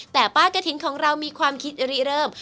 แต่ป้ากระถิ่นของเรามีความคิดรีเริ่ม